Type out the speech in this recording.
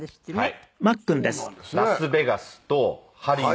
はい。